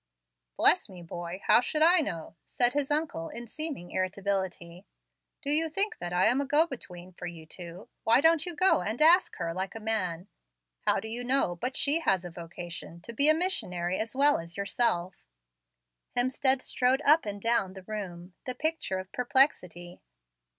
"Bless me, boy! how should I know?" said his uncle, in seeming irritability. "Do you think that I am a go between for you two? Why don't you go and ask her, like a man? How do you know but she has a vocation to be a missionary as well as yourself?" Hemstead strode up and down the room, the picture of perplexity.